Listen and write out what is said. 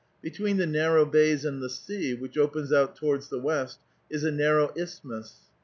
Between the narrow bays and the sea, which opens out towards the west is a narrow isthmus.